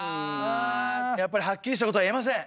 やっぱりはっきりしたことは言えません。